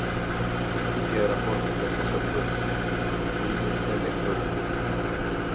Shtypja e raportit të oshp-së , përkthimi dhe lektorimi